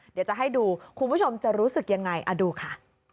เดี๋ยวจะให้ดูคุณผู้ชมจะรู้สึกยังไงดูค่ะ